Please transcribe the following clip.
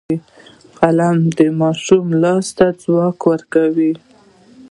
قلم د ماشوم لاس ته ځواک ورکوي